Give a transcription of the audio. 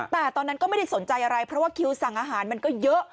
แต่ตอนนั้นก็ไม่ได้สนใจอะไรเพราะว่าคิวสั่งอาหารมันก็เยอะ